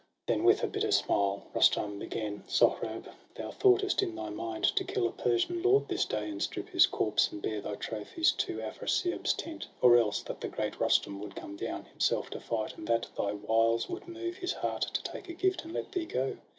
Then, with a bitter smile, Rustum began: —' Sohrab, thou thoughtest in thy mind to kill A Persian lord this day, and strip his corpse, And bear thy trophies to Afrasiab's tent. Or else that the great Rustum would come down Himself to fight, and that thy wiles would move His heart to take a gift, and let thee go.